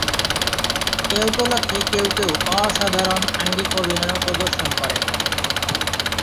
এ উপলক্ষে কেউ কেউ অসাধারণ আঙ্গিক অভিনয়ও প্রদর্শন করে।